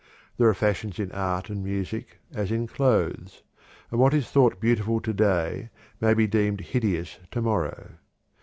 There are fashions in art and music, as in clothes, and what is thought beautiful to day may be deemed hideous to morrow.